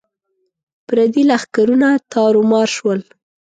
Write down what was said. پردي لښکرونه تارو مار شول.